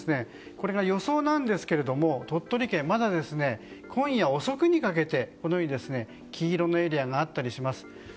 これが予想なんですけれども鳥取県はまだ今夜遅くにかけてこのように黄色のエリアがあったりします。